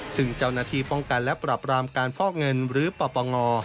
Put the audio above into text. ซึ่งเจ้าหน้าที่ป้องกันและปรับรามการฟอกเงินหรือปปง